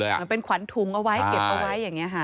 เหมือนเป็นขวัญถุงเอาไว้เก็บเอาไว้อย่างนี้ค่ะ